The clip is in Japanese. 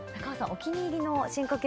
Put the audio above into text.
お気に入りの進化系